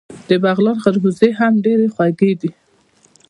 د بغلان خربوزې هم ډیرې خوږې دي.